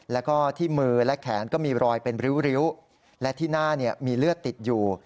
แล้วก็ที่มือและแขนก็มีรอยเป็นริ้วและที่หน้ามีเลือดติดอยู่